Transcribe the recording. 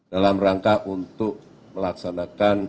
dalam rangka untuk melaksanakan